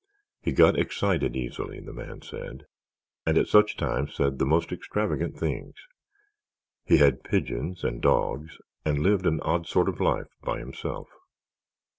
He got excited easily, the man said, and at such times said the most extravagant things. He had pigeons and dogs and lived an odd sort of life by himself.